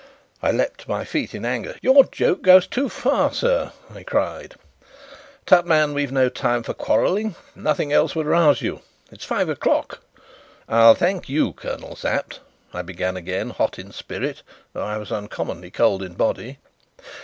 I leapt to my feet in anger. "Your joke goes too far, sir!" I cried. "Tut, man, we've no time for quarrelling. Nothing else would rouse you. It's five o'clock." "I'll thank you, Colonel Sapt " I began again, hot in spirit, though I was uncommonly cold in body.